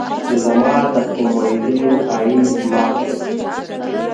چې زما د امېدونو ائين مات شو